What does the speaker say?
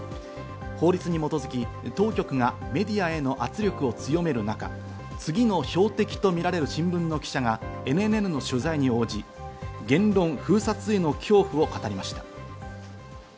法律に基づき当局がメディアへの圧力を強める中、次の標的とみられる新聞の記者がＮＮＮの取材に応じ、言論封殺への恐怖を語りました。